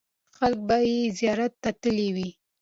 خلکو به یې زیارت ته تللي وي.